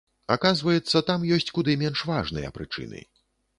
Аказваецца, там ёсць куды менш важныя прычыны.